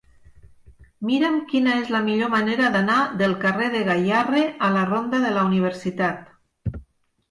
Mira'm quina és la millor manera d'anar del carrer de Gayarre a la ronda de la Universitat.